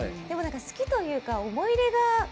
でも、好きというか思い入れが。